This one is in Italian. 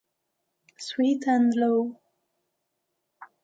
Sweet and Low